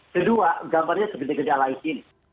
kedua gambarnya sebenarnya gila gila lain